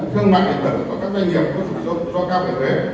thương mạng định tưởng và các doanh nghiệp có sự do cao về thuế